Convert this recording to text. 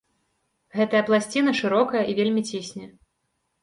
Гэтая пласціна шырокая і вельмі цісне.